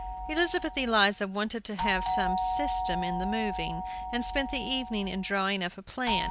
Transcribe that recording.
Elizabeth Eliza wanted to have some system in the moving, and spent the evening in drawing up a plan.